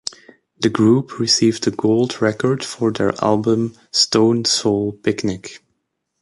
The group received a gold record for their album "Stoned Soul Picnic".